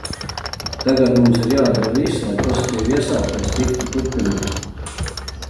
Tagad mums ir jādara viss, lai pozitīvi iesāktais tiktu turpināts.